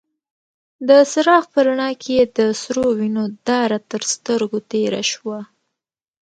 د څراغ په رڼا کې يې د سرو وينو داره تر سترګو تېره شوه.